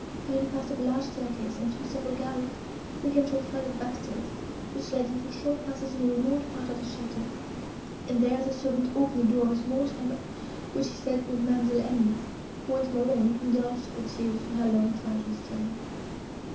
Having passed up a large staircase, and through several galleries, they came to a flight of back stairs, which led into a short passage in a remote part of the château, and there the servant opened the door of a small chamber, which she said was Ma'amselle Emily's, who, once more alone, indulged the tears she had long tried to restrain.